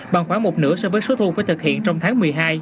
bằng khoảng một nửa so với số thu phải thực hiện trong tháng một mươi hai